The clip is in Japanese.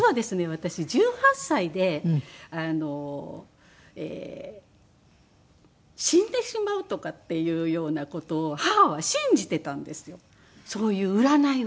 私１８歳で死んでしまうとかっていうような事を母は信じてたんですよそういう占いを。